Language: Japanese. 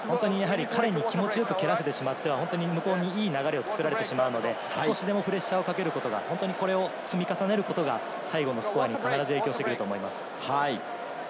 彼に気持ちよく蹴らせてしまっては向こうに流れをつくらせてしまうので、プレッシャーをかけ続けることが最後のスコアに必ず影響してくると思います。